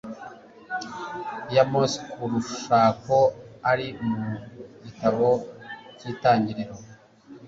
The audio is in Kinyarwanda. ya mose ku rushako aari mu gitabo cy'itangiriro